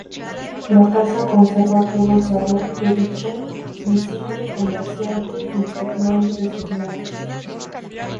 La casa conserva todo el sabor que dicho insigne comerciante impregnó entre sus muros.